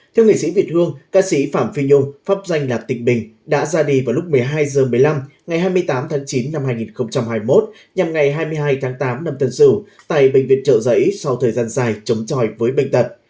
theo nghệ sĩ việt hương ca sĩ phạm phi nhung pháp danh là tỉnh bình đã ra đi vào lúc một mươi hai h một mươi năm ngày hai mươi tám tháng chín năm hai nghìn hai mươi một nhằm ngày hai mươi hai tháng tám năm tân sửu tại bệnh viện trợ giấy sau thời gian dài chống tròi với bệnh tật